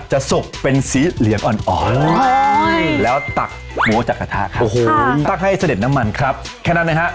ให้เสด็จน้ำมันครับแค่นั้นนะครับ